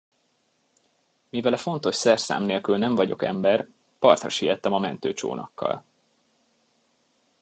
Mivel e fontos szerszám nélkül nem vagyok ember, partra siettem a mentőcsónakkal.